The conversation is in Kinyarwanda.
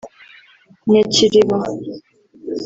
Nyakiriba